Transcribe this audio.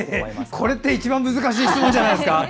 これって一番難しい質問じゃないですか。